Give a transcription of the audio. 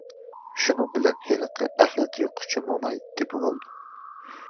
شۇنىڭ بىلەن ھېلىقى «ئەخلەت يىغقۇچى» موماي تېپىۋالىدۇ.